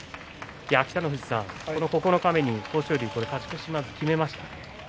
北の富士さん、九日目に豊昇龍、勝ち越しを決めました。